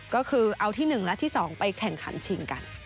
ก็คือเอาที่๑และที่๒ไปแข่งขันชิงกัน